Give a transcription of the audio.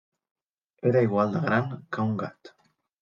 Era igual de gran que un gat.